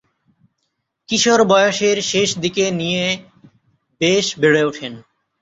কিশোর বয়সের শেষ দিকে নিয়ে বেশ বেড়ে উঠেন।